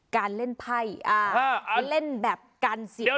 การเล่นไภเล่นแบบการศีรภาย